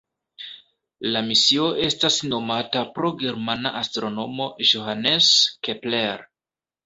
La misio estas nomata pro germana astronomo Johannes Kepler.